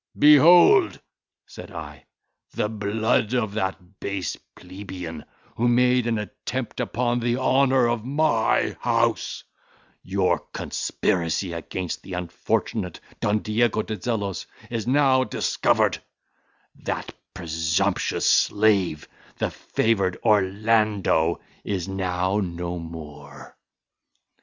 "Behold," said I, "the blood of that base plebeian, who made an attempt upon the honour of my house; your conspiracy against the unfortunate Don Diego de Zelos is now discovered; that presumptuous slave, the favoured Orlando, is now no more."